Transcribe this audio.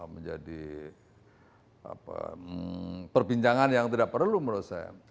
menjadi perbincangan yang tidak perlu menurut saya